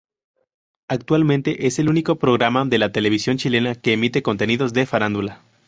Actualmente es el único programa de la televisión chilena que emite contenidos de farándula.